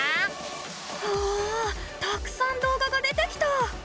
うわたくさん動画が出てきた！